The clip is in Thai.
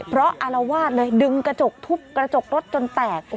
เพราะอารวาสเลยดึงกระจกทุบกระจกรถจนแตก